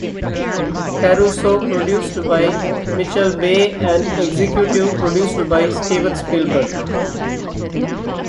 Caruso, produced by Michael Bay and executive produced by Steven Spielberg.